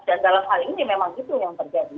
dan dalam hal ini memang gitu yang terjadi